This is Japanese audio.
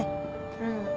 うん。